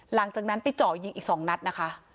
หลังจากนั้นไปเจาะยิงอีก๒นัดนะคะ